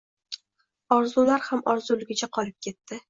Orzular ham orzuligicha qolib ketdi.